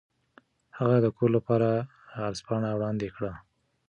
هغه د کور لپاره عرض پاڼه وړاندې کړه.